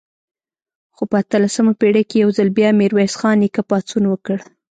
خو په اتلسمه پېړۍ کې یو ځل بیا میرویس خان نیکه پاڅون وکړ.